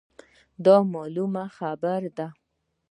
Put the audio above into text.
دا مـعـلومـه خـبـره ده.